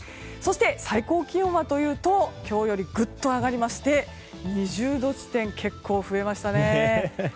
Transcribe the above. そして最高気温はというと今日よりぐっと上がりまして２０度地点が結構増えましたね。